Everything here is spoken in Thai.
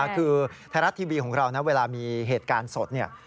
คือไทยรัฐทีวีของเรานะเวลามีเหตุการณ์สดเนี่ย